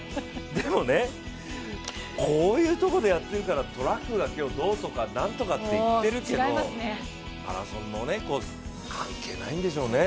でもね、こういうところでやってるからトラックがどうとかなんとかって言ってるけどマラソンもね関係ないんでしょうね。